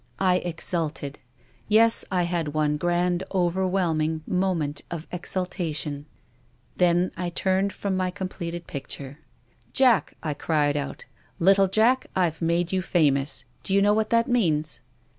I exulted. Yes, I had one grand overwhelmin<r moment of exultation. Then I 38 TONGUES OF CONSCIENCE. turned from my completed picture. ' Jack,* I cried out, ' little Jack, I've made you famous. D'you know what that means